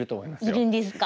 いるんですか。